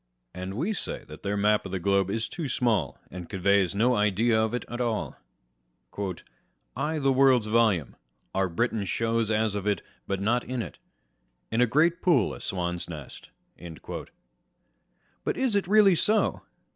And we say that their map of the globe is too small, and conveys no idea of it at all. I' the world's volume Our Britain shows as of it, but not in *t ; In a great pool a swan's nest i1 but is it really so